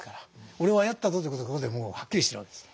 俺はやったぞということでここでもうはっきりしてるわけです。